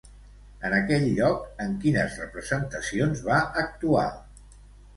En aquell lloc, en quines representacions va actuar?